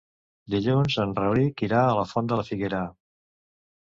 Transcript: Dilluns en Rauric irà a la Font de la Figuera.